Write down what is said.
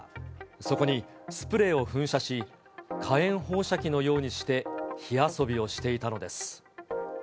そこにスプレーを噴射し、火炎放射器のようにして火遊びをしていたのです。